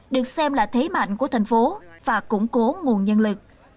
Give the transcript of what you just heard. được xem là thế mạnh của thành phố và củng cố nguồn nhân lực